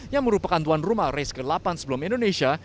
yang merupakan tuan rumah race ke delapan sebelum indonesia